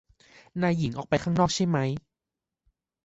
นายหญิงออกไปข้างนอกใช่ไหม